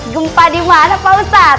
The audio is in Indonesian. gempa dimana pak ustadz